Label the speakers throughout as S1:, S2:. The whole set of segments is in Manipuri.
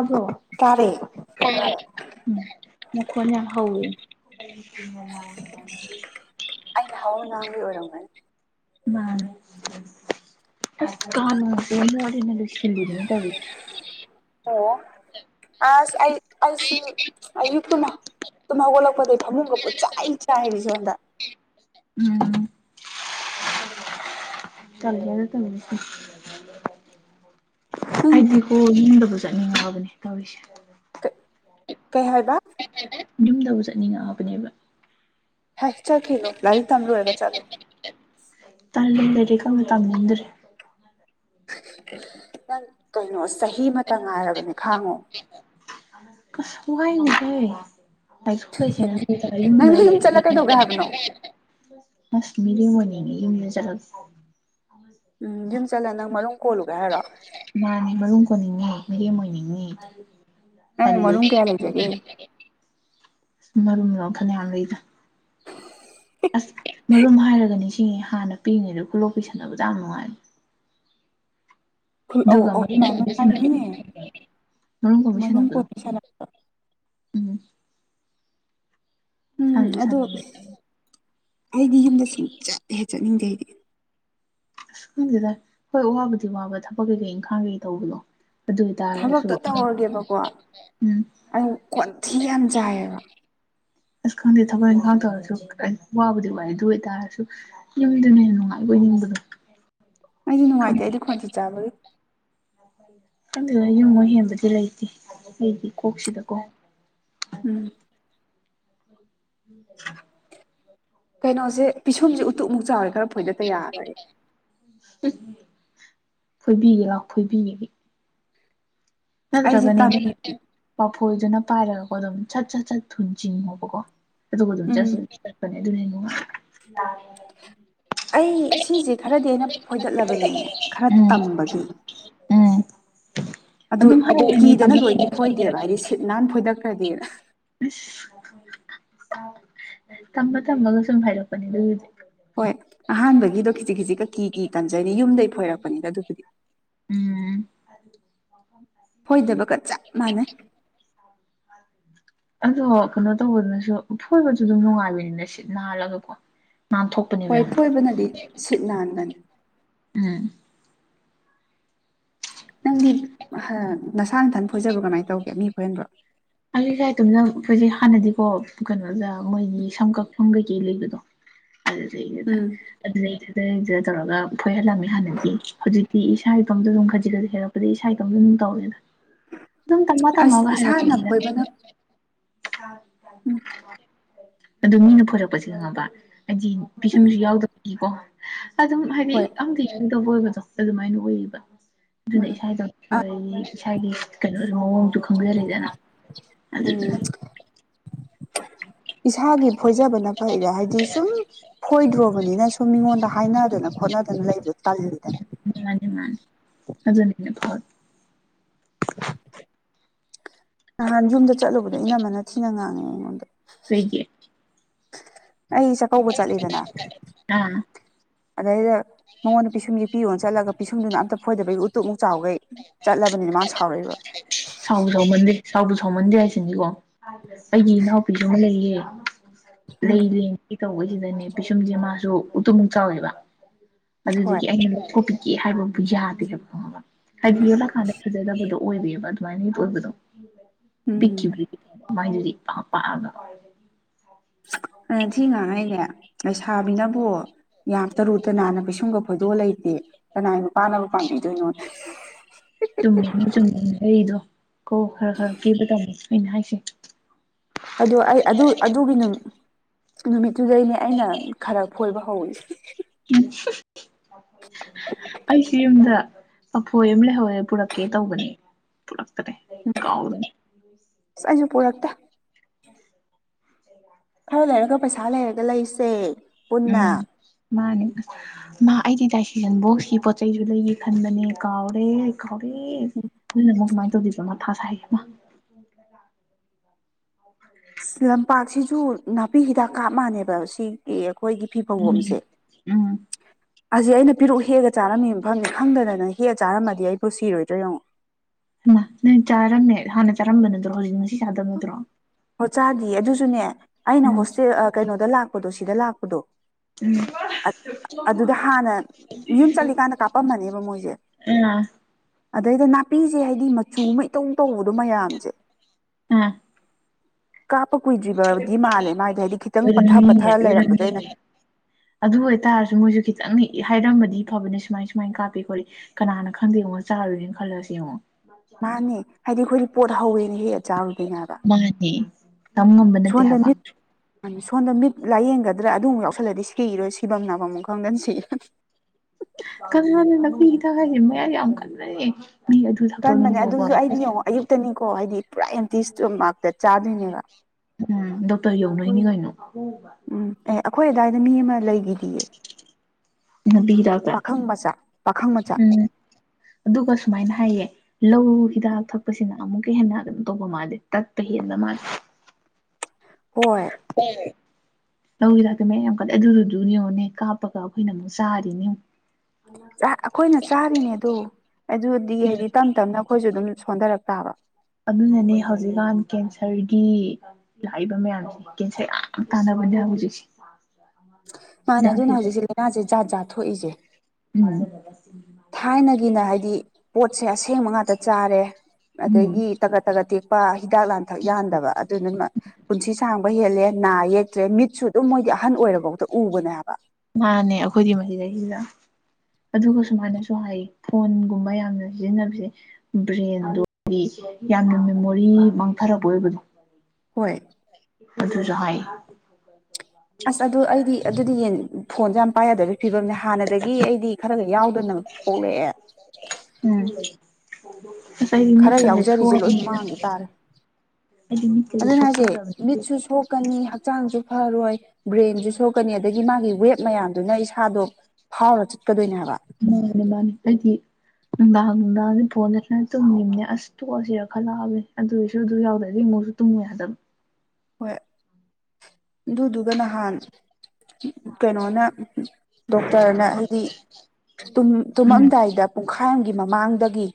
S1: ꯑꯕꯣ
S2: ꯑ
S1: ꯎꯝ ꯃꯣꯟꯅ ꯍꯋ
S2: ꯍꯥꯡ ꯑꯣꯏꯔꯝ
S1: ꯃꯥ ꯀꯥꯟꯁ ꯃꯅ ꯂꯜꯂꯤꯗꯅꯤ ꯇꯕꯤ
S2: ꯑꯣ ꯑꯁ ꯑ ꯑꯁ ꯑ ꯇꯨꯅ ꯁꯨꯝ ꯍꯧꯒꯠꯂꯛꯄꯗꯒꯤꯩ ꯐꯃꯨꯡꯒ ꯄꯨꯣꯠ ꯆ ꯑꯩ ꯆꯥꯏ ꯍꯥꯏꯔꯤꯁꯦ ꯍꯣꯟꯗ
S1: ꯎꯝ ꯆꯒꯗ
S2: ꯅꯪ
S1: ꯍꯥꯏꯗꯤ ꯍꯣ ꯍꯗ ꯆꯠꯅꯤꯡꯉꯕꯅꯦ ꯇꯧꯔꯤꯁꯦ
S2: ꯀꯩ ꯍꯥꯏꯕ
S1: ꯌꯨꯝꯗꯕꯨ ꯆꯠꯅꯤꯡꯉꯛꯑꯕꯅꯦꯕ
S2: ꯍꯥꯛ ꯆꯥꯛ ꯈꯦꯜꯣ ꯂꯔꯤ ꯇꯝꯔꯣ ꯑꯦꯕ ꯆꯂꯣ
S1: ꯇꯝꯗ꯭ꯔꯦ
S2: ꯅꯪ ꯀꯩꯅꯣ ꯆꯍꯤ ꯑꯃꯇ ꯉꯥꯏꯔꯕꯅꯦ ꯈꯥꯡꯉꯣ
S1: ꯁꯉꯥꯏꯅꯁ ꯂꯥꯏꯁꯨ ꯄꯥꯏꯁꯦ
S2: ꯅꯪ
S1: ꯌꯨꯝꯗ
S2: ꯌꯨꯝ ꯆꯠꯂ ꯀꯩꯗꯧꯒꯦ ꯍꯥꯏꯕꯅꯣ
S1: ꯑꯁꯃꯤ ꯂꯩꯅꯤ ꯌꯨꯝꯅꯖꯔ
S2: ꯎꯝ ꯌꯨꯝ ꯆꯠꯂ ꯅꯪ ꯃꯔꯨꯝ ꯀꯣꯜꯂꯨꯒꯦ ꯍꯥꯏꯔꯣ
S1: ꯃꯥꯅꯦꯕ ꯀꯣꯅꯤꯡꯉ ꯃꯔꯤ ꯃ ꯑꯣꯏꯅꯤꯡꯉ
S2: ꯅꯪ ꯎꯃꯔ ꯀꯌꯥ ꯂꯩꯖꯒꯦ
S1: ꯃꯔꯨꯝꯗꯣ ꯈꯂ ꯂꯩꯗ ꯑꯁ ꯑꯦ ꯃꯔꯨꯝ ꯍꯥꯏꯔꯒꯅꯤ ꯁꯤ ꯍꯥꯟꯅ ꯄꯤꯔꯤꯉꯩꯗ ꯈꯨꯂꯣꯛ ꯄꯁꯟꯅꯕꯗ ꯌꯥꯝ ꯅꯨꯡꯉꯥꯏꯔ
S2: ꯑꯣ
S1: ꯀꯣꯟꯕꯤ ꯁꯥꯟꯅꯕꯗꯣ
S2: ꯅꯅꯦꯗꯅꯦ
S1: ꯃꯔꯨꯝ ꯀꯣꯟꯕꯤ
S2: ꯃꯗꯨꯨꯝ
S1: ꯁꯥꯟꯅꯕꯗꯣ
S2: ꯀꯁ ꯂ
S1: ꯎꯝ
S2: ꯎꯝ
S1: ꯁꯥꯟꯕꯨ
S2: ꯑꯗꯣ
S1: ꯁꯥꯟꯅꯩ
S2: ꯑꯩꯗꯤ ꯌꯨꯝꯗ ꯁꯨꯝ ꯆꯠꯇꯦ ꯆꯠꯅꯤꯡꯗꯦ ꯑꯩꯗꯤ
S1: ꯑꯁ ꯈꯪꯁꯤꯗ ꯍꯣꯏ ꯋꯥꯕꯗꯤ ꯋꯥꯕ ꯊꯕꯛ ꯀꯩꯀꯩ ꯏꯪꯈꯥꯡ ꯀꯩꯀꯩ ꯇꯧꯕꯗꯣ ꯑꯗꯨ ꯑꯣꯏꯇꯥꯔꯁꯨ
S2: ꯊꯕꯛꯇꯣ ꯇꯧꯔꯒꯦꯕꯀꯣ
S1: ꯎꯝ
S2: ꯑꯗꯨ ꯀ꯭ꯋꯥꯣꯟꯊꯤ ꯌꯥꯝ ꯆꯥꯏꯌꯦꯕ
S1: ꯑꯁ ꯈꯪꯗꯦ ꯊꯕꯛ ꯏꯪꯈꯥꯡ ꯇꯧꯔꯁꯨ ꯑꯩ ꯋꯥꯕꯨꯗꯤ ꯋꯥꯏ ꯑꯗꯨ ꯑꯣꯏꯇꯥꯔꯁꯨ ꯌꯨꯝꯗꯨꯅ ꯅꯨꯡꯉꯥꯏꯕ ꯅ
S2: ꯑꯩꯗꯤ ꯅꯨꯡꯉꯥꯏꯇꯦ ꯑꯩꯗꯤ ꯈꯣꯟꯆꯦ ꯆꯥꯕꯒꯤ
S1: ꯑꯗꯨꯗ ꯌꯨꯝꯉ ꯍꯦꯟꯕꯗꯤ ꯂꯩꯇꯦ ꯑꯩꯗꯤ ꯀꯣꯛꯁꯤꯗꯀꯣ ꯑ
S2: ꯎꯝ
S1: ꯎꯝ
S2: ꯀꯩꯅꯣꯁꯦ ꯄꯤꯁꯣꯟꯁꯦ ꯎꯇꯨꯞꯃꯨꯛ ꯆꯥꯎꯔꯦ ꯈꯔ ꯐꯣꯏꯗꯠꯇ ꯌꯥꯈꯦ
S1: ꯐꯣꯏꯕꯤꯒꯦ ꯂꯥꯛꯑꯣ ꯐꯣꯏꯕꯤꯒ
S2: ꯑꯩꯁꯦ
S1: ꯅꯠꯇ꯭ꯔꯒꯅꯦ
S2: ꯇꯝꯃꯤ
S1: ꯃꯐꯣꯏꯗꯨꯅ ꯄꯥꯏꯔꯒ ꯀ ꯑꯗꯨꯠ ꯆꯠ ꯆꯠ ꯊꯨꯟ ꯆꯣ ꯑꯗꯨꯅꯦꯉꯉ [unintelligible]
S2: ꯑꯩ ꯁꯤꯁꯦ ꯈꯔꯗꯤ ꯑꯩꯅ ꯐꯣꯏꯗꯠꯂꯕꯅꯦ ꯈꯔ
S1: ꯎꯝ
S2: ꯇꯝꯕꯒꯤ
S1: ꯎꯝ
S2: ꯑꯗꯨ
S1: ꯑꯗꯨꯝ ꯍꯩꯔꯅꯤ
S2: ꯀꯤꯗꯅ
S1: ꯇꯝꯕ
S2: ꯂꯣꯏꯗꯤ ꯐꯣꯏꯗꯦꯕ ꯍꯥꯏꯗꯤ ꯁꯤꯠ ꯍꯥꯟ ꯐꯣꯏꯗꯈ꯭ꯔꯗꯤ [unintelligible]
S1: ꯇꯃ ꯇꯝꯃꯒ ꯁꯨꯝ ꯍꯥꯏꯔꯛꯄꯅꯦ ꯑꯗꯨꯒꯤꯗꯤ
S2: ꯍꯣꯏ ꯇꯟꯖꯩꯅꯤ ꯌꯨꯝꯗꯩ ꯐꯣꯏꯔꯛꯄꯅꯤꯗ ꯑꯗꯨꯕꯨꯗꯤ
S1: ꯎꯝ
S2: ꯍꯣꯏꯗꯕꯒꯠ ꯆ ꯃꯥꯅꯦ
S1: ꯑꯗꯣ ꯀꯩꯅꯣ ꯇꯧꯕꯗꯨꯅꯁꯨ ꯐꯣꯏꯕꯁꯨ ꯑꯗꯨꯝ ꯅꯨꯡꯉꯥꯏꯕꯅꯤꯅ ꯁꯤꯠ ꯅꯥꯜꯂꯒꯀꯣ ꯥꯟ
S2: ꯍꯣꯏ
S1: ꯊꯣꯛꯄꯅꯦꯕ
S2: ꯐꯣꯏꯕꯅꯗꯤ ꯁꯤꯠ ꯅꯥꯟꯕꯅꯤ
S1: ꯎꯝ
S2: ꯅꯪꯗꯤ ꯅꯁꯥ ꯅꯊꯟ ꯐꯣꯏꯖꯕ꯭ꯔꯣ ꯀꯃꯥꯏꯅ ꯇꯧꯒꯦ ꯃꯤ ꯈꯣꯏꯍꯟꯕ꯭ꯔꯣ
S1: ꯑꯩꯁꯥꯏꯇꯣꯝꯗ ꯑꯩꯈꯣꯏꯁꯦ ꯍꯥꯟꯅꯗꯤꯀꯣ ꯀꯩꯅꯣꯗ ꯃꯣꯏꯒꯤ ꯁꯝ ꯀꯛꯐꯝ ꯀꯩꯀꯩ ꯂꯩꯕꯗꯣ ꯑꯗꯨꯩꯗ
S2: ꯎꯝ
S1: ꯑꯗꯨ ꯁꯤꯗꯩꯗꯨꯗ ꯇꯧꯔꯒ ꯐꯣꯏꯍꯜꯂꯝꯃꯦ ꯍꯥꯟꯅꯗꯤ ꯍꯧꯖꯤꯛꯇꯤ ꯏꯁꯥ ꯏꯇꯣꯝꯗ ꯑꯗꯨꯝ ꯈꯖꯤꯛ ꯈꯖꯤꯛ ꯍꯦꯜꯔꯛꯄꯗꯒꯤ ꯏꯁꯥ ꯏꯇꯣꯝꯁꯨ ꯑꯗꯨꯝ ꯇꯧꯋꯦꯅ ꯑꯗꯨꯝ ꯇꯝꯃ ꯇꯝꯃꯒ ꯍꯥꯏꯔꯛꯄꯅꯤꯗ
S2: ꯕꯅ [unintelligible] [inaudible]
S1: ꯑꯗꯨ ꯃꯤꯅ ꯐꯣꯔꯛꯄꯁꯤ ꯈꯪꯉꯕ ꯍꯥꯏꯗꯤ
S2: ꯎꯝ
S1: ꯄꯤꯁꯨꯝꯁꯨ ꯌꯥꯎꯗꯕꯒꯤꯀꯣ ꯑꯗꯨꯝ ꯍꯥꯏꯗꯤ
S2: ꯍꯣꯏ
S1: ꯑꯝꯇ ꯌꯥꯎꯗꯕ ꯑꯣꯏꯕꯗ ꯑꯗꯨꯃꯥꯏꯅ ꯑꯣꯏꯔꯤꯕ ꯑꯗꯨꯅ
S2: ꯃꯥꯅꯤ
S1: ꯏꯁꯥ ꯏꯗꯥ ꯏꯁꯥꯒꯤ ꯀꯩꯅꯣ ꯃꯑꯣꯡꯁꯨ ꯈꯪꯖꯔꯦꯗꯅ ꯑꯗꯨꯗꯨꯅ
S2: ꯑꯣꯝ ꯏꯁꯥꯒꯤ ꯐꯣꯏꯖꯕꯅ ꯐꯩꯔꯦ ꯍꯥꯏꯗꯤ ꯁꯨꯝ ꯐꯣꯏꯗ꯭ꯔꯣꯕꯅꯤꯅ ꯁꯨꯝ ꯃꯤꯉꯣꯟꯗ ꯍꯥꯏꯅꯗꯅ ꯈꯣꯠꯅꯗꯅ ꯂꯩꯕ
S1: ꯑꯗꯨꯗ ꯅꯩꯅ ꯐꯠ [unintelligible] [inaudible]
S2: [unintelligible] [inaudible] ꯅꯍꯥꯟ ꯌꯨꯝꯗ ꯆꯠꯂꯨꯕꯗꯣ ꯏꯅꯝꯕꯃꯅ ꯊꯤꯅ ꯉꯥꯡꯉꯦ ꯑꯩꯉꯣꯟꯗ
S1: ꯀꯩꯒ
S2: ꯑꯩ ꯆꯥꯛꯀꯧꯕ ꯆꯠꯂꯤꯗꯅ
S1: ꯑꯥ
S2: ꯑꯗꯩꯗ ꯃꯉꯣꯟꯗ ꯄꯤꯁꯨꯝꯁ ꯄꯤꯌꯣꯅ ꯆꯠꯂꯒ ꯄꯤꯁꯨꯝꯗꯨꯅ ꯑꯝꯇ ꯐꯣꯏꯗꯕꯒꯤ ꯎꯇꯨꯞꯃꯨꯛ ꯆꯥꯎꯈꯩ ꯆꯠꯂꯕꯅꯤꯅ ꯃꯥꯅ ꯁꯥꯎꯔꯛꯏꯕ
S1: ꯁꯥꯎꯕ ꯁꯥꯎꯃꯟꯗꯦ ꯁꯥꯎꯕ ꯁꯥꯎꯃꯟꯗꯦ ꯍꯥꯏꯁꯤꯅꯤꯀꯣ ꯑꯩꯒꯤ ꯏꯅꯥꯎꯄꯤꯗꯤ ꯑꯃ ꯂꯩꯌꯦ
S2: ꯎꯝ
S1: ꯂꯩ ꯂꯦꯡ ꯇꯧꯕꯁꯤꯗꯅꯦ ꯄꯤꯁꯨꯝꯁꯦ ꯃꯥꯁꯨ ꯎꯇꯨꯝꯃꯨꯛ ꯆꯥꯎꯋꯦꯕ
S2: ꯍꯣꯏ
S1: ꯑꯗꯨꯗꯒꯤ ꯑꯩꯅꯣꯄꯤꯛꯀꯦ ꯍꯥꯏꯕꯕꯨ ꯌꯥꯗꯦꯕ ꯈꯣꯕ ꯍꯥꯏꯗꯤ ꯌꯣꯜꯂꯀꯥꯟꯗ ꯐꯖꯗꯕꯗꯣ ꯑꯣꯏꯕꯕ ꯑꯗꯨꯃꯥꯏꯅꯤ ꯇꯗꯣ ꯄꯤ
S2: ꯎꯝ
S1: ꯃꯥꯏꯗꯨꯨꯔꯤ ꯄꯒ
S2: ꯑ ꯊꯤ ꯉꯥꯡꯉꯩꯅꯦ ꯑꯩ ꯁꯥꯥꯕꯤꯅꯕꯨ ꯌꯥꯝ ꯇꯔꯨ ꯇ ꯅꯥꯟꯅ ꯀꯩꯁꯨꯝꯒꯄ ꯗꯣ ꯂꯩꯇꯦ ꯀꯅꯥ ꯅꯨꯄꯥꯅꯕꯨ ꯄꯥꯝꯕꯤꯗꯣꯏꯅꯣ
S1: ꯆꯨꯝꯃꯤꯅ ꯆꯨꯝꯃꯤ ꯍꯩꯗꯣ ꯀꯣ ꯈꯔ ꯈꯔ ꯀꯦꯕ ꯇꯥꯃꯦ ꯑꯩꯅ ꯍꯥꯏꯁꯦ
S2: ꯑꯗꯣ ꯑꯩ ꯑꯗꯨ ꯑꯗꯨꯒꯤ ꯅꯨꯃꯤꯠꯇꯨꯗꯩꯅꯦ ꯑꯩꯅ ꯈꯔ ꯈꯣꯏꯕ ꯍ [unintelligible] [inaudible]
S1: ꯎꯝ [unintelligible] [inaudible] ꯑꯩꯁꯨ ꯌꯨꯝꯗ ꯑꯐꯣꯏ ꯑꯃ ꯂꯩꯍꯧꯦ ꯄꯨꯔꯛꯀꯦ ꯇꯧꯕꯅꯦ ꯀꯥꯎꯗꯅꯤ [inaudible]
S2: ꯑꯁ ꯑꯩꯁꯨ ꯄꯨꯔꯛꯇꯦ
S1: ꯍꯝ [unintelligible] [inaudible]
S2: ꯈꯔ ꯂꯩꯔꯒ ꯄꯩꯁꯥ ꯂꯩꯔꯒ ꯂꯩꯁꯦ ꯄꯨꯟꯅ
S1: ꯎꯝ ꯃꯥꯅꯦ ꯑꯁ ꯃꯥ ꯑꯩꯗꯤ ꯗꯥꯏꯁꯤꯁꯟ ꯕꯣꯛꯁꯀꯤ ꯄꯣꯠ ꯆꯩꯁꯨ ꯂꯩꯒꯦ ꯈꯟꯕꯅꯦ ꯀꯥꯎꯔꯦ ꯀꯥꯎ ꯑꯦ ꯅꯅ ꯑꯃꯨꯛ ꯀꯃꯥꯏꯅ ꯇꯧꯗꯣꯏꯕ ꯑꯃ ꯊꯥꯁꯒꯦ ꯑꯃ
S2: ꯂꯝꯄꯥꯛꯁꯤꯁꯨ ꯅꯥꯄꯤ ꯍꯤꯗꯥꯛ ꯀꯥꯞ ꯃꯥꯟꯅꯦꯕ ꯁꯤꯒꯤ ꯑꯩꯈꯣꯏꯒꯤ ꯐꯤ ꯐꯪꯒꯣꯝꯁꯦ
S1: ꯎꯝ
S2: ꯑꯁꯤ ꯑꯩꯅ ꯄꯤꯔꯨꯛ ꯍꯦꯛꯑ ꯆꯥꯔꯝꯃꯤ ꯐꯪꯉꯦ ꯈꯪꯗꯗꯅ ꯍꯦꯛꯑ ꯆꯥꯔꯝꯃꯗꯤ ꯑꯩꯕꯨ ꯁꯤꯔꯣꯏꯗ꯭ꯔꯣꯏ ꯌꯦꯡꯉꯣ
S1: ꯅ ꯆꯥꯔꯝꯃꯦ ꯍꯥꯟꯅ ꯆꯥꯔꯝꯕꯅꯠꯇ꯭ꯔꯣ ꯍꯧꯖꯤꯛ ꯆꯥꯗꯕ ꯅꯠꯇ꯭ꯔꯣ
S2: ꯑꯣ ꯆꯥꯗꯤ ꯑꯗꯨꯁꯨꯅꯦ ꯑꯩꯅ
S1: ꯎꯝ
S2: ꯍꯣꯁꯇꯦꯜ ꯀꯩꯅꯣ ꯗ ꯂꯥꯛꯄꯗꯣ ꯁꯤꯗ ꯂꯥꯛꯄꯗꯣ
S1: ꯎꯝ
S2: ꯑꯗꯨꯗ ꯍꯥꯟꯅ ꯌꯨꯝ ꯆꯠꯂꯤꯀꯥꯟꯗ ꯀꯥꯞꯄꯝꯃꯅꯦꯕ ꯃꯣꯏꯁꯦ
S1: ꯑ [unintelligible] [inaudible]
S2: ꯑꯗꯩꯗ ꯅꯥꯄꯤꯁꯦ ꯍꯥꯏꯗꯤ ꯃꯆꯨ ꯃꯩꯇꯧ ꯇꯧꯕꯗꯣ ꯃꯌꯥꯝꯁꯦ
S1: ꯑꯝ
S2: ꯀꯥꯞꯄ ꯀꯨꯏꯗ꯭ꯔꯤꯕꯗꯤ ꯃꯥꯜꯂꯦ ꯃꯥꯗꯤ ꯍꯥꯏꯗꯤ ꯈꯤꯇꯪ ꯄꯠꯊ
S1: ꯑꯣꯏꯔꯝꯅꯤꯅꯦ
S2: ꯄꯠꯊ ꯂꯩꯔꯝꯕꯗ ꯑꯩꯅ
S1: ꯑꯣꯏꯔꯝꯅꯤꯅꯦ ꯑꯗꯨ ꯑꯣꯏꯇꯥꯔꯁꯨ ꯃꯣꯏꯁꯨ ꯈꯤꯇꯪ ꯍꯥꯏꯔꯃꯗꯤ ꯐꯕꯅꯦ ꯁꯨꯃꯥꯏ ꯁꯨꯃꯥꯏꯅ ꯀꯥꯞꯄꯦ ꯈꯣꯠꯂꯤ ꯀꯅꯥ ꯈꯪꯗꯦ ꯌꯦꯡꯉꯣ ꯆꯥꯔꯨꯔꯅ ꯈꯜꯂꯁꯤ ꯌꯦꯡꯉꯣ
S2: ꯃꯥꯅꯦ ꯍꯥꯏꯗꯤ ꯑꯩꯈꯣꯏꯗꯤ ꯄꯣꯠ ꯍꯧꯋꯦ ꯍꯦꯛ ꯆꯥꯔꯨꯗꯣꯏꯅꯦꯕ
S1: ꯃꯥꯅꯦ ꯇꯝ ꯉꯝꯕ ꯅꯠꯇꯦ
S2: ꯁꯣꯟꯗ
S1: ꯍꯥꯏꯕ
S2: ꯃꯤꯠ ꯁꯣꯝꯗ ꯃꯤꯠ ꯂꯥꯏꯌꯦꯡꯒꯗ꯭ꯔꯥ ꯑꯗꯨꯃꯨꯛ ꯌꯥꯎꯁꯜꯂꯗꯤ ꯁꯤꯏꯔꯣꯏ ꯁꯤꯐꯝꯝꯅꯕ ꯑꯃꯨꯛ ꯈꯪꯗꯅ ꯁꯤꯏ
S1: ꯀꯅꯥꯅ ꯂꯝꯄꯤꯒꯤꯗ ꯍꯥꯏꯁꯦ ꯃꯌꯥ ꯌꯥꯝ ꯀꯟꯅꯟꯅꯅꯤ
S2: ꯀꯟꯕꯅꯦ ꯑꯗꯨꯁꯨ ꯑꯩꯗꯤ ꯌꯦꯡꯉꯣ ꯑꯌꯨꯛꯇꯅꯤꯀꯣ ꯍꯥꯏꯗꯤ ꯄꯨꯔꯥ ꯑꯦꯝꯇꯤ ꯏꯁꯇꯣꯃꯥꯛꯇ ꯆꯥꯗꯣꯏꯅꯦꯕ
S1: ꯎꯝ ꯗꯣꯛꯇꯔ ꯌꯧꯅꯣꯏꯅꯤ ꯀꯩꯅꯣ ꯍ ꯂꯥꯛꯦ
S2: ꯎꯝ ꯑꯦ ꯑꯩꯈꯣꯏ ꯑꯗꯥꯋꯥꯏꯗ ꯃꯤ ꯑꯃ ꯂꯩꯈꯤ
S1: ꯅꯥꯕꯤꯔꯛꯑꯒ
S2: ꯄꯥꯈꯪ ꯃꯆꯥ ꯄꯥꯈꯪ ꯃꯆꯥ
S1: ꯎꯝ ꯑꯗꯨꯒ ꯁꯨꯃꯥꯏꯅ ꯍꯥꯏꯌꯦ ꯂꯧ ꯍꯤꯗꯥꯛ ꯊꯛꯄꯁꯤꯅ ꯑꯃꯨꯛꯀ ꯍꯦꯟꯅ ꯀꯩꯅꯣ ꯇꯧꯕ ꯃꯥꯜꯜꯂꯤꯦ ꯇꯠꯄ ꯍꯦꯟꯅ ꯃꯥꯜꯂꯦ
S2: ꯍꯣꯏ
S1: ꯍ ꯂꯧꯔꯤ ꯂꯥꯛꯇ ꯃ ꯌꯥꯝ ꯀꯠꯂ ꯑꯗꯨꯔꯨꯗꯣꯏꯅꯦꯉꯣꯅꯦ ꯀꯥꯞꯄꯒ ꯑꯩꯈꯣꯏꯅ ꯑꯃꯨꯛ ꯆꯥꯔꯤꯅꯤ ꯑꯃꯨꯛ
S2: ꯑꯩꯈꯣꯏꯅ ꯆꯥꯔꯤꯅꯦꯗꯣ ꯑꯗꯨꯗꯤ ꯍꯥꯏꯗꯤ ꯇꯞ ꯇꯞꯅ ꯑꯩꯈꯣꯏꯁꯨ ꯑꯗꯨꯝ ꯁꯣꯟꯊꯔꯛꯄ ꯇꯕ
S1: ꯑꯗꯨꯅꯅꯦ ꯍꯧꯖꯤꯛꯀꯥꯟ ꯀꯦꯟꯁꯔꯒꯤ ꯂꯥꯛꯏꯕ ꯃꯌꯥꯝꯁꯦ ꯀꯦꯟꯁꯔ ꯌꯥꯝ ꯇꯥꯟꯅꯕ ꯃꯟꯅ ꯍꯧꯖꯤꯁꯤ
S2: ꯃꯥꯅꯦ ꯑꯗꯨꯅ ꯍꯧꯖꯤꯛꯁꯦ ꯂꯥꯏꯅꯥꯁꯦ ꯖꯥꯠ ꯥꯠ ꯊꯣꯛꯏꯁꯦ
S1: [inaudible]
S2: ꯊꯥꯏꯅꯒꯤꯅ ꯍꯥꯏꯕꯗꯤ ꯄꯣꯠꯁꯦ ꯑꯁꯦꯡꯕ ꯉꯥꯛꯇ ꯆꯥꯔꯦ
S1: ꯎꯝ
S2: ꯑꯗꯒꯤ ꯇꯒꯠ ꯇꯒꯠ ꯇꯦꯛ ꯄꯥ ꯍꯤꯗꯥꯛ ꯂꯥꯡꯊꯛ ꯌꯥꯟꯗꯕ ꯑꯗꯨꯗꯨꯅ ꯄꯨꯟꯁꯤ ꯁꯥꯡꯕ ꯍꯦꯜꯂꯦ ꯅꯥ ꯌꯦꯛꯇ꯭ꯔꯦ ꯃꯤꯠꯁꯨ ꯑꯗꯨꯝ ꯃꯣꯏꯗꯤ ꯑꯍꯟ ꯑꯣꯏꯔꯔꯕꯐꯥꯎꯗ ꯎꯕꯅꯦꯕ
S1: ꯅꯥꯟꯅꯦ ꯑꯩꯈꯣꯏꯗꯤ ꯃꯁꯤꯗꯁꯤꯗ ꯑꯗꯨꯒ ꯁꯨꯃꯥꯏꯅꯁꯨ ꯍꯥꯏ ꯐꯣꯟꯒꯨꯝꯕ ꯌꯥꯝꯅ ꯁꯤꯖꯤꯟꯅꯕꯁꯦ ꯕ꯭ꯔꯦꯟꯗꯣ ꯌꯥꯝꯅ ꯃꯦꯃꯣꯔꯤ ꯃꯥꯡꯊꯔꯕ ꯑꯣꯏꯕꯗꯣ
S2: ꯍꯣꯏ
S1: ꯃ ꯥꯏ
S2: ꯑꯁ ꯑꯗꯨ ꯑꯩꯗꯤ ꯑꯗꯨꯗꯤ ꯌꯦꯟ ꯐꯣꯟꯁꯦ ꯌꯥꯝ ꯄꯥꯏ ꯌꯥꯗꯕꯦ ꯐꯤꯕꯝꯅꯦ ꯍꯥꯟꯅꯗꯒꯤ ꯑꯩꯗꯤ ꯈꯔ ꯈ ꯌꯥꯎꯗꯅ ꯄꯣꯛꯂꯛꯑꯦ
S1: ꯍ
S2: ꯈꯔ ꯌꯥꯎꯖꯔꯤꯁꯦ ꯂꯣꯏ ꯃꯥꯡꯈꯤ ꯇꯥꯔꯦ
S1: ꯑꯩꯗꯤ ꯃꯤꯠꯀꯁꯦ
S2: ꯑꯗꯨꯅ ꯍꯥꯏꯁꯦ
S1: ꯁꯣꯛꯆꯔꯕꯅꯤ
S2: ꯃꯤꯠꯁꯨ ꯁꯣꯛꯀꯅꯤ ꯍꯛꯆꯥꯡꯁꯨ ꯐꯔꯣꯏ ꯕ꯭ꯔꯦꯟꯁꯨ ꯁꯣꯛꯀꯅꯤ ꯑꯗꯒꯤ ꯃꯥꯒꯤ ꯋꯦꯕ ꯃꯌꯥꯝꯗꯨꯅ ꯏꯁꯥꯗꯣ ꯐꯥꯎꯔ ꯆꯠꯀꯗꯣꯏꯅꯦ ꯍꯥꯏꯕ
S1: ꯃꯥꯅꯦ ꯃꯥꯅꯤ ꯍꯥꯏꯗꯤ ꯅꯨꯡꯗꯥꯡ ꯅꯨꯡꯗꯥꯡꯗꯤ ꯐꯣꯟꯗꯅ ꯇꯨꯝꯃꯤꯕꯅꯦ ꯑꯁ ꯇꯣꯛꯑꯁꯤꯦꯔ ꯈꯜꯂꯛꯑꯕꯅꯦ ꯑꯗꯨꯑꯣꯏꯁꯨ ꯑꯗꯨ ꯌꯥꯎꯗ꯭ꯔꯗꯤꯨꯁꯨ ꯇ ꯌꯥꯗꯕ
S2: ꯍꯣꯏ ꯑꯗꯨꯗꯨꯒ ꯅꯍꯥꯟ ꯀꯩꯅꯣꯅ ꯗꯣꯛꯇꯔꯅ ꯍꯥꯏꯗꯤ
S1: ꯎꯝ
S2: ꯇꯨꯝꯃꯝꯗꯥꯏꯗ ꯄꯨꯡꯈꯥꯏꯒꯤ ꯃꯃꯥꯡꯗꯒꯤ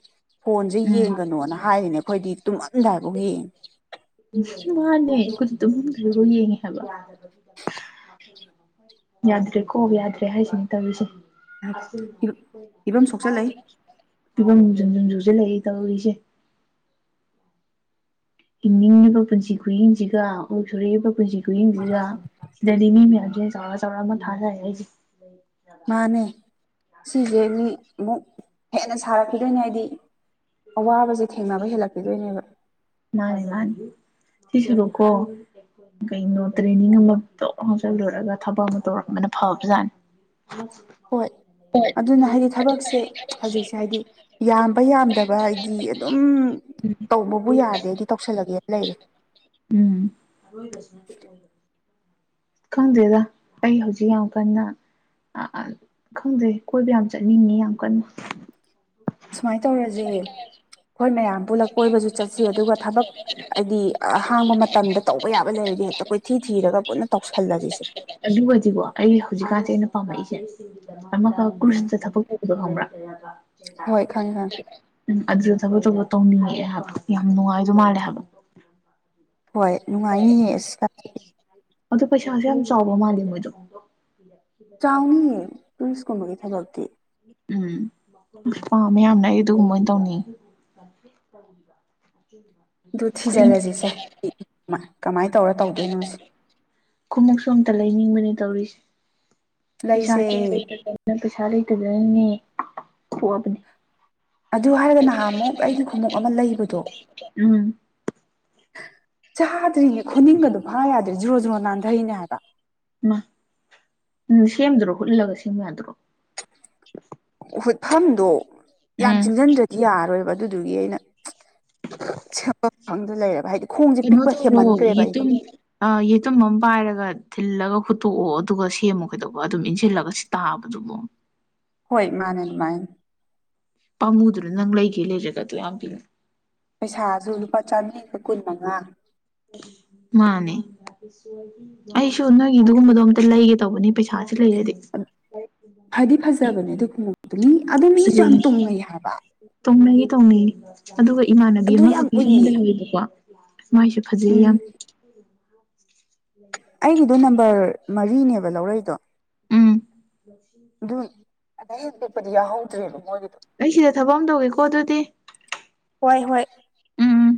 S2: ꯐꯣꯟꯁꯦ ꯌꯦꯡꯒꯅꯣꯅ ꯍꯥꯏꯔꯤꯅꯦ ꯑꯩꯈꯣꯏꯗꯤ ꯇꯨꯝꯑꯝꯗꯥꯏꯐꯧ ꯌꯦꯡꯉꯤ
S1: ꯗꯤ ꯑꯗꯨꯝ ꯀ ꯌꯦꯡꯉꯦ ꯍꯥꯏꯕ
S2: [inaudible]
S1: ꯌꯥꯗ꯭ꯔꯦ ꯀꯣ ꯌꯥꯗ꯭ꯔꯦ ꯍꯥꯏꯁꯤꯅ ꯇꯧꯔꯤꯁꯦ
S2: ꯌꯦꯡꯉꯦ ꯐꯤꯕꯝ ꯁꯣꯛꯆꯜꯂꯛꯏ
S1: ꯑꯁꯨꯝꯣꯏ ꯐꯤꯕꯝꯨꯝꯖꯨꯝ ꯨꯝꯖꯨꯁꯦ ꯂꯩ ꯇꯧꯔꯤꯁꯦ ꯍꯤꯡꯅꯤꯡꯉꯤꯕ ꯄꯨꯟꯁꯤ ꯈꯨꯌꯦꯡꯁꯤꯒ ꯑꯣ ꯁꯣꯔꯛꯏꯕ ꯄꯨꯟꯁꯤ ꯈꯨꯌꯦꯡꯁꯤꯒ ꯁꯤꯗꯗꯤ ꯃꯤ ꯃꯌꯥꯝ ꯆꯧꯔ ꯆꯧꯔ ꯊꯥꯔ
S2: ꯃꯥꯅꯦ ꯁꯤꯁꯦ ꯃꯤ ꯑꯃꯨꯛ ꯍꯦꯟꯅ ꯁꯥꯔꯛꯈꯤꯗꯣꯏꯅꯦ ꯍꯥꯏꯗꯤ ꯑꯋꯥꯕꯁꯦ ꯊꯦꯡꯅꯕ ꯍꯦꯜꯂꯛꯈꯤꯗꯣꯏꯅꯦꯕ
S1: ꯀꯤꯁꯔꯨꯀꯣ ꯀꯩꯅꯣ ꯇ꯭ꯔꯦꯅꯤꯡ ꯑꯃ ꯇꯧ ꯆꯜꯂꯨꯔꯒ ꯊꯕꯛ ꯑꯃ ꯇꯧꯔꯛꯝꯕꯅ ꯐꯕꯖꯥꯠꯅꯤ
S2: ꯍꯣꯏ ꯑꯗꯨꯅ ꯍꯥꯏꯗꯤ ꯊꯕꯛꯁꯦ ꯍꯧꯖꯤꯛꯁꯦ ꯍꯥꯏꯗꯤ ꯌꯥꯝꯕ ꯌꯥꯝꯗꯕ ꯍꯥꯏꯗꯤ ꯑꯗꯨꯝ ꯇꯧꯕꯕꯨ ꯌꯥꯔꯗꯦ ꯑꯩꯗꯤ ꯇꯧꯁꯜꯂꯒꯦꯅ ꯂꯩꯔꯦ
S1: ꯣꯏꯕꯁ ꯈꯪꯗꯦꯗ ꯑꯩ ꯍꯧꯖꯤꯛ ꯌꯥꯝ ꯀꯟꯅ ꯑ ꯈꯪꯗꯩ ꯀꯣꯏꯕ ꯌꯥꯝ ꯆꯠꯅꯤꯡꯉꯤ ꯌꯥꯝ ꯀꯟꯅ
S2: ꯁꯨꯃꯥꯏꯅ ꯇꯧꯔꯁꯦ ꯍꯣꯏ ꯃꯌꯥꯝ ꯄꯨꯂꯛ ꯀꯣꯏꯕꯁꯨ ꯆꯠꯁ ꯑꯗꯨꯒ ꯊꯕꯛ ꯍꯥꯏꯗꯤ ꯑꯍꯥꯡꯕ ꯃꯇꯝꯗ ꯇꯧꯕ ꯌꯥꯕ ꯂꯩꯔꯗꯤꯦ ꯍꯦꯛꯇ ꯀꯣꯏꯊꯤ ꯊꯤꯔꯒ ꯄꯨꯟꯅ ꯇꯧꯁꯜꯂꯁꯤꯁꯦ
S1: ꯑꯗꯨꯒꯗꯤꯀꯣ ꯑꯩ ꯍꯧꯖꯤꯛꯀꯥꯟꯁꯦ ꯑꯩꯅ ꯄꯥꯝꯃꯛꯏꯁꯦ ꯑꯃꯒ
S2: ꯎꯝ
S1: ꯒ꯭ꯔꯨꯁꯇ ꯊꯕꯛ ꯇꯧꯕꯗꯣ ꯈꯪꯕ꯭ꯔꯥ
S2: ꯍꯣꯏ ꯈꯪꯉꯦ ꯈꯪꯉꯦ
S1: ꯑꯗꯨꯗ ꯊꯕꯛꯛꯇꯧꯕ ꯇꯧꯅꯤꯡꯉꯛꯑꯦ ꯍꯥꯏꯕ ꯌꯥꯝ ꯅꯨꯡꯉꯥꯏꯗꯧ ꯃꯥꯜꯂꯦ ꯍꯥꯏꯕ
S2: ꯍꯣꯏ ꯅꯨꯡꯉꯥꯏꯅꯤꯌꯦ ꯑꯁꯤ ꯇ
S1: ꯑꯗꯨ ꯄꯩꯁꯥꯁꯨ ꯌꯥꯝ ꯆꯥꯎꯕ ꯃꯥꯜꯂꯦ ꯃꯣꯏꯗꯣ
S2: ꯆꯥꯎꯅꯤꯌꯦ ꯇꯨꯔꯤꯁꯀꯨꯝꯕꯒꯤ ꯊꯕꯛꯇꯤ
S1: ꯎꯝ ꯑ ꯃꯌꯥꯝꯅ ꯑꯩꯗ ꯍꯨꯝꯃꯣꯏꯅ ꯇꯧꯅꯤ ꯊꯝ
S2: ꯑꯗꯨ ꯊꯤꯖꯤꯜꯂꯁꯤꯁꯦ ꯀꯃꯥꯏꯅ ꯇꯧꯔ ꯇꯧꯗꯣꯏꯅꯣꯁꯦ
S1: ꯈꯨꯎꯞ ꯁꯣꯝꯇ ꯂꯩꯅꯤꯡꯕꯅꯤ ꯇꯧꯔꯤꯁꯦ ꯄꯩꯁꯥ
S2: ꯂꯩꯁꯦ
S1: ꯀꯌꯥ ꯂꯩꯇꯗꯅ ꯄꯩꯁꯥ ꯂꯩꯇꯗꯅꯦꯣꯕꯅꯤ
S2: ꯑꯗꯨ ꯍꯥꯏꯔꯒ ꯅꯍꯥꯟ ꯑꯃꯨꯛ ꯑꯩꯒꯤ ꯈꯣꯡꯎꯞ ꯑꯃ ꯂꯩꯕꯗꯣ
S1: ꯎꯝ
S2: ꯆꯥꯗ꯭ꯔꯤꯅꯦ ꯈꯣꯅꯤꯡꯒꯗꯣ ꯐꯥ ꯌꯥꯗ꯭ꯔꯦ ꯖ꯭ꯔꯣ ꯖ꯭ꯔꯣ ꯅꯥꯟꯊꯩꯅꯦ ꯍꯥꯏꯕ
S1: ꯃꯥ ꯎꯝ ꯁꯦꯝꯗꯔꯣ ꯍꯨꯠꯂꯒ ꯁꯦꯝꯕ ꯌꯥꯗꯔꯣ
S2: ꯍꯨꯠꯐꯝꯗꯣ ꯌꯥꯝ ꯆꯤꯡꯁꯤꯟꯗ꯭ꯔꯗꯤ ꯌꯥꯔꯔꯣꯏꯕ ꯑꯗꯨꯗꯨꯒꯤ ꯑꯩꯅ ꯁꯗ ꯂꯩꯦꯕ ꯍꯥꯏꯗꯤ ꯈꯣꯡꯁꯦ
S1: ꯀꯩꯅꯣ
S2: ꯄꯤꯛꯄ
S1: ꯇꯧꯔꯣ
S2: ꯍꯦꯃꯟꯈ꯭ꯔꯦꯕ ꯑꯩꯗꯣ
S1: ꯌꯦꯇꯨꯝ ꯌꯦꯇꯨꯝ ꯑꯃ ꯄꯥꯏꯔꯒ ꯊꯤꯜꯂꯒ ꯍꯨꯠꯇꯣꯛꯑꯣ ꯑꯗꯨꯒ ꯁꯦꯝꯃꯨ ꯀꯩꯗꯧꯕ ꯑꯗꯨꯝ ꯏꯟꯁꯤꯜꯂꯒ ꯇꯥꯕꯗꯨꯕꯨꯣ
S2: ꯍꯣꯏ ꯃꯥꯅꯦ ꯃꯥꯅꯦ
S1: ꯄꯥꯝꯃꯨꯗꯨꯅ ꯅꯪ ꯂꯩꯒꯦ ꯂꯩꯔꯦꯒ ꯑꯗꯨ ꯌꯥꯝ ꯄꯤꯣ
S2: ꯄꯩꯁꯥꯁꯨ ꯂꯨꯄꯥ ꯆꯥꯃꯔꯤꯒ ꯀꯨꯟ ꯃꯉꯥ
S1: ꯃꯥꯅꯦ ꯑꯩꯁꯨ ꯅꯣꯏꯒꯤ ꯑꯗꯨꯒꯨꯝꯕꯗꯣ ꯑꯝꯇ ꯂꯩꯒꯦ ꯇꯧꯕꯅꯦꯩꯥ ꯂꯩ ꯍꯥꯏꯗꯤ
S2: ꯐꯗꯤ ꯐꯖꯕꯅꯦ ꯑꯗꯨ ꯈꯨꯡꯗ ꯃꯤ ꯑꯗꯨ ꯃꯤꯁꯨ ꯌꯥꯝ ꯇꯣꯡꯉꯩ ꯍꯥꯏꯕ
S1: ꯇꯧꯅꯤꯡ ꯑꯗꯨꯒ ꯏꯃꯥꯟꯅꯕꯤ
S2: ꯑꯗꯨ ꯌꯥꯝ
S1: ꯑꯃꯈꯛ ꯁꯪꯉ
S2: ꯎꯏꯌꯦ
S1: ꯂꯩꯍꯧꯋꯦꯕꯀꯣ ꯐꯖꯩ ꯌꯥꯝ
S2: ꯎꯝ
S1: ꯂꯩ [inaudible]
S2: ꯔ ꯅꯝꯕꯔ ꯃꯔꯤꯅꯦꯕ ꯂꯧꯔꯩꯗꯣ
S1: ꯎꯝ
S2: ꯑꯗꯩ ꯍꯦꯟ ꯄꯤꯛꯄꯗꯤ ꯌꯥꯎꯍꯧꯗ꯭ꯔꯦꯕ ꯃꯣꯏꯒꯤꯗꯣ
S1: ꯑꯩ ꯁꯤꯗ ꯊꯕꯛ ꯑꯃ ꯇꯧꯏꯤꯀꯣ ꯑꯗꯨꯗꯤ
S2: ꯍꯣꯏ ꯍꯣꯏ
S1: ꯎꯝ ꯎꯝ